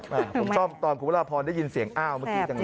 ผมซ่อมตอนคุณพระราพรได้ยินเสียงอ้าวเมื่อกี้จังเลย